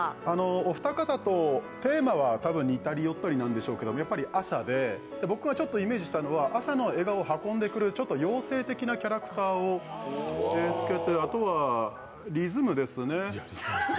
お二方とテーマは多分似たりよったりなんでしょうけどやっぱり朝で僕がイメージしたのは朝の笑顔を運んでくれる妖精的なキャラクターを思い浮かべてあとはリズムですね。